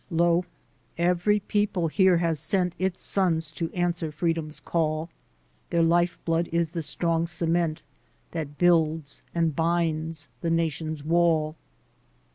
Lo ! every people here has sent Its sons to answer freedom's call; Their lifeblood is the strong cement That builds and binds the nation's wall.